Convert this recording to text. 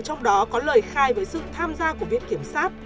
trong đó có lời khai với sự tham gia của viện kiểm sát